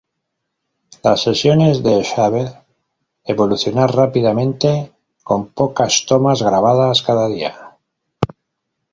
Las sesiones de "Saved" evolucionar rápidamente, con pocas tomas grabadas cada día.